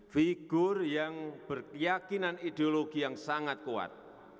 figur yang berkeyakinan ideologi yang sangat kuat